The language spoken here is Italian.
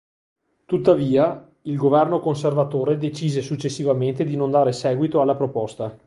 Tuttavia, il governo conservatore decise successivamente di non dare seguito alla proposta.